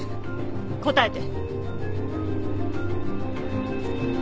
答えて。